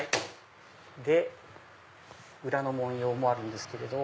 で裏の文様もあるんですけれど。